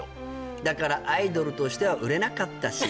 「だからアイドルとしては売れなかったし」